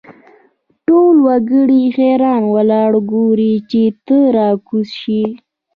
ټول وګړي حیران ولاړ ګوري چې ته را کوز شې.